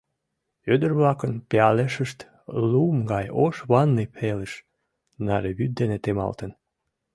Ӱдыр-влакын пиалешышт, лум гай ош ванный пелыж наре вӱд дене темалтын.